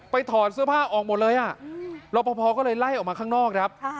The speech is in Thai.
ไปถอนเสื้อผ้าออกหมดเลยเราพอก็เลยไล่ออกมาข้างนอก